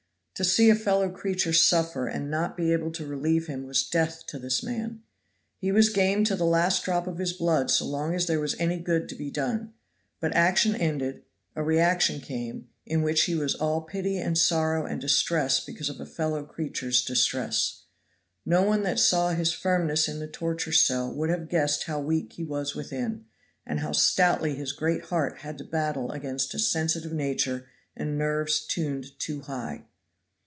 To see a fellow creature suffer and not be able to relieve him was death to this man. He was game to the last drop of his blood so long as there was any good to be done, but action ended, a reaction came, in which he was all pity and sorrow and distress because of a fellow creature's distress. No one that saw his firmness in the torture cell would have guessed how weak he was within, and how stoutly his great heart had to battle against a sensitive nature and nerves tuned too high.